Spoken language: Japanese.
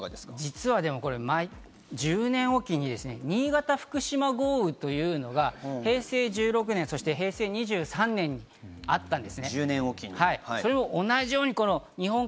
実はこれ、１０年おきに新潟・福島豪雨というのが平成１６年、そして平成２３年に降ったんですね。